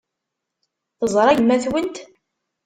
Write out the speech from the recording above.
Teẓra yemma-twent?